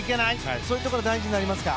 そういうところ大事になりますか。